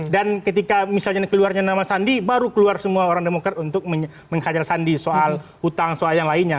dan ketika misalnya keluarnya nama sandi baru keluar semua orang demokrat untuk menghajar sandi soal hutang soal yang lainnya